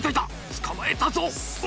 捕まえたぞ！